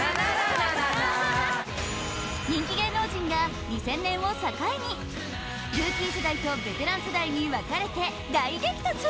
．．．人気芸能人が２０００年を境にルーキー世代とベテラン世代に分かれて大激突！